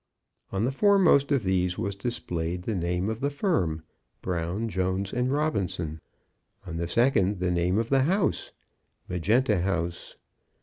On the foremost of these was displayed the name of the firm, Brown, Jones, and Robinson. On the second, the name of the house, Magenta House.